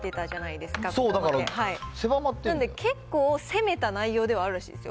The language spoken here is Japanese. だから、なんで、結構攻めた内容ではあるらしいですよ。